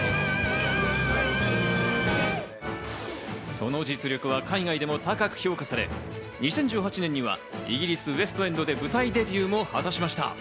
その実力は海外でも高く評価され、２０１８年にはイギリス・ウェストエンドで舞台デビューも果たしました。